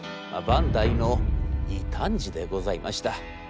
バンダイの異端児でございました。